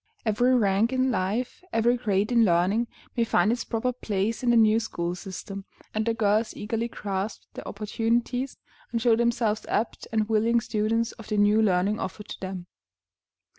Every rank in life, every grade in learning, may find its proper place in the new school system, and the girls eagerly grasp their opportunities, and show themselves apt and willing students of the new learning offered to them.